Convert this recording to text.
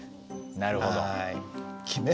なるほど。